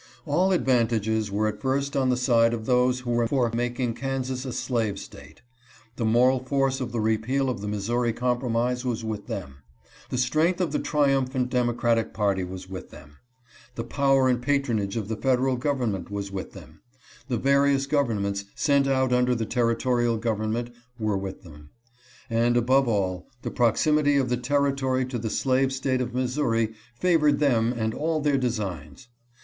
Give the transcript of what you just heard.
All advantages were at first on the side of those who were for making Kansas a slave State. The moral force of the repeal of the Missouri compromise was with them ; the strength of the triumphant Democratic party was with them ; the power and patronage of the federal gov ernment was with them ; the various governors, sent out under the Territorial government, were with them ; and, above all, the proximity of the Territory to the slave State of Missouri favored them and all their designs.